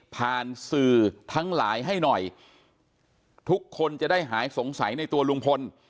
ผ่านสื่อทั้งหลายให้หน่อยทุกคนจะได้หายสงสัยในตัวลุงพล